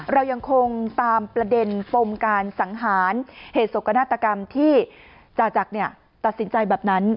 เรายังคงตามประเด็นปมการสังหารเหตุสกนาฏกรรมที่จาจักรตัดสินใจแบบนั้น